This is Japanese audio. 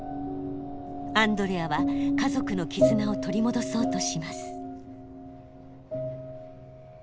アンドレアは家族の絆を取り戻そうとします。